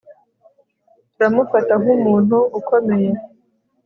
Turamufata nkumuntu ukomeye